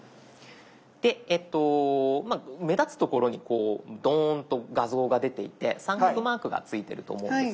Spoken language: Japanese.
で目立つ所にこうドーンと画像が出ていて三角マークがついてると思うんです。